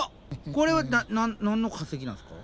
これは何の化石なんすか？